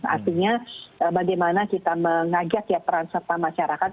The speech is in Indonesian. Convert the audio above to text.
artinya bagaimana kita mengajak ya peran serta masyarakat